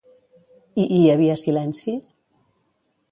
I hi havia silenci?